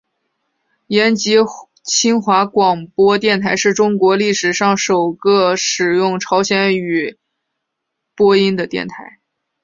延吉新华广播电台是中国历史上首个使用朝鲜语播音的电台。